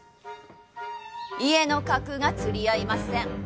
家の格が釣り合いません。